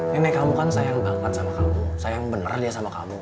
nenek kamu kan sayang banget sama kamu sayang bener dia sama kamu